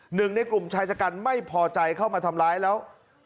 หนึ่งในกลุ่มชายชะกันไม่พอใจเข้ามาทำร้ายแล้ว